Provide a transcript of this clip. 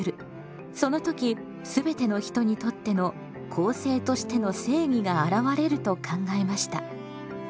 その時全ての人にとっての「公正としての正義」があらわれると考えました。